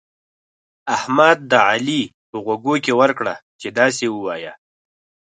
احمد د علي په غوږو کې ورکړه چې داسې ووايه.